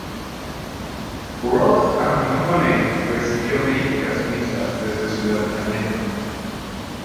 Rocks and Honey recibió críticas mixtas desde su lanzamiento.